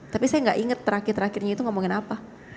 tapi saya gak ingat terakhir terakhirnya itu ngomongin apa